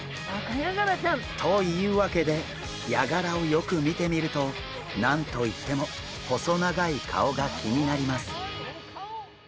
というわけでヤガラをよく見てみると何と言っても細長い顔が気になります。